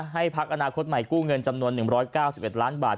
พักอนาคตใหม่กู้เงินจำนวน๑๙๑ล้านบาท